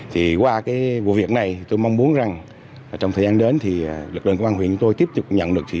thì qua cái vụ việc này tôi mong muốn rằng trong thời gian đến thì lực lượng công an huyện của tôi tiếp tục nhận được sự